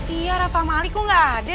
iya rafa sama ali kok gak ada ya